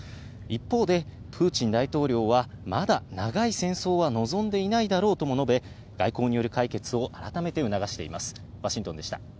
一方でプーチン大統領はまだ長い戦争は望んでいないだろうとも述べ、外交による解決を改めて促しました。